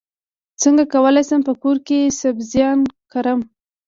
څنګه کولی شم په کور کې سبزیان کرم